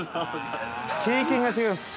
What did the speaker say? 経験が違います。